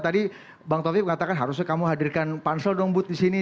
tadi bang taufik mengatakan harusnya kamu hadirkan pansel dong but di sini